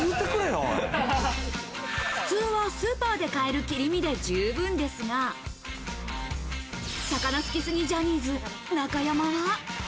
普通はスーパーで買える切り身で十分ですが、魚好きすぎジャニーズ・中山は。